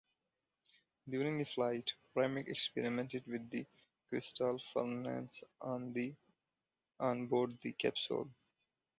During the flight, Remek experimented with the Kristall furnace on board the capsule.